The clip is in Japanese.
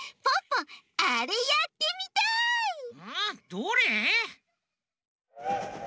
どれ？